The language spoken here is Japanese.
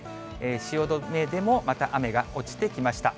汐留でもまた雨が落ちてきました。